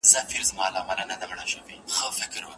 د انسان په وسع کې کوم شیان شامل نه دي؟